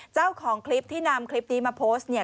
เจ้าของคลิปที่นำคลิปนี้มาโพสต์เนี่ย